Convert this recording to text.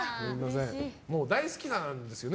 もう大好きなんですよね